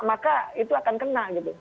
maka itu akan kena